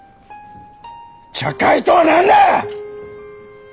茶会とは何だ！